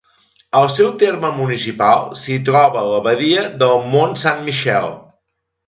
Al seu terme municipal s'hi troba l'abadia de Mont Saint-Michel.